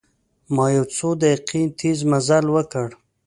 ما یو څو دقیقې تیز مزل وکړ.